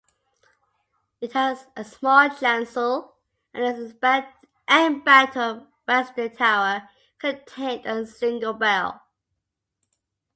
It had a small chancel and its embattled western tower contained a single bell.